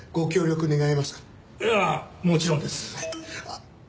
あっ。